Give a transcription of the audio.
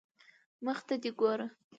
مخ ته دي ګوره